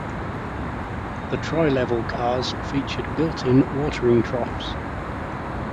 The tri-level cars featured built-in watering troughs.